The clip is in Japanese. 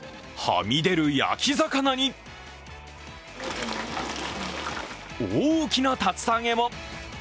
はみ出る焼き魚に大きな竜田揚げも。